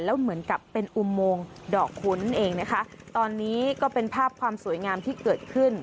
แล้วเหมือนกับเป็นอุโมงดอกคุ้นเองนะคะตอนนี้ก็เป็นภาพความสวยงามที่เกิดขึ้น